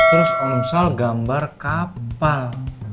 terus omsal gambar kapal